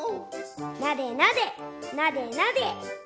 なでなでなでなで。